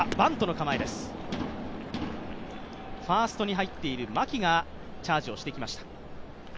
ファーストに入っている牧がチャージをしてきました。